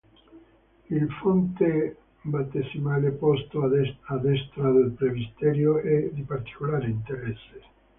Il fonte battesimale, posto a destra del presbiterio, è di particolare interesse.